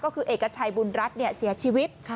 ก็คือเอกชัยบุญรัฐเสียชีวิต